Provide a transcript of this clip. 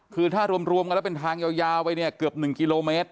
คือถ้ารวมกันแล้วเป็นทางยาวไปเนี่ยเกือบ๑กิโลเมตร